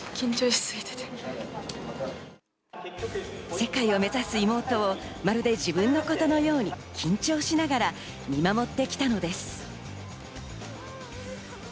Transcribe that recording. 世界を目指す妹をまるで自分のことのように緊張しながら見守ってきたのです。